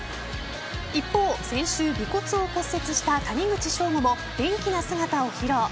一方、先週鼻骨を骨折した谷口彰悟も元気な姿を披露。